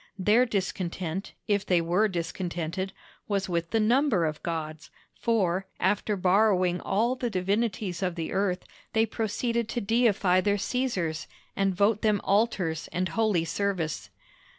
Their discontent, if they were discontented, was with the number of gods; for, after borrowing all the divinities of the earth they proceeded to deify their Caesars, and vote them altars and holy service.